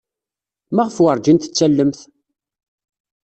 Maɣef werjin tettallemt?